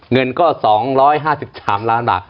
เงินก็๒๕๓ล้านบาท